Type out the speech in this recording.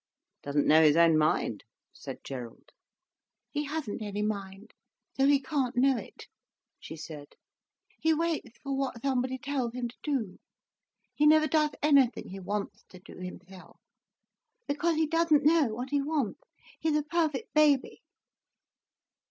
"Doesn't know his own mind," said Gerald. "He hasn't any mind, so he can't know it," she said. "He waits for what somebody tells him to do. He never does anything he wants to do himself—because he doesn't know what he wants. He's a perfect baby."